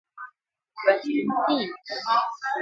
Rest in peace.